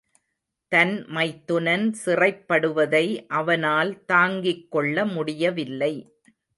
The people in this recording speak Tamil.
தன் மைத்துனன் சிறைப்படுவதை அவனால் தாங்கிக் கொள்ள முடியவில்லை.